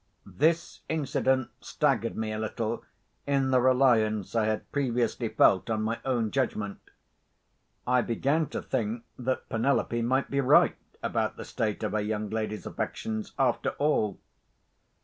This incident staggered me a little in the reliance I had previously felt on my own judgment. I began to think that Penelope might be right about the state of her young lady's affections, after all.